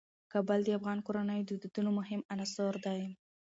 کابل د افغان کورنیو د دودونو مهم عنصر دی.